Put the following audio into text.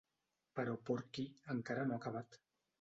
Però Porky encara no ha acabat.